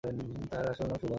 তার আসল নাম সুভাদ্রা।